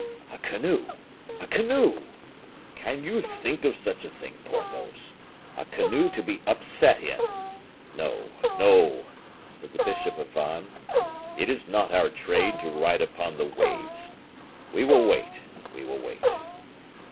"A canoe! a canoe! Can you think of such a thing, Porthos? A canoe to be upset in. No, no," said the bishop of Vannes; "it is not our trade to ride upon the waves. We will wait, we will wait."